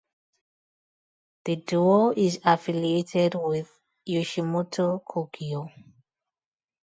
The duo is affiliated with Yoshimoto Kogyo.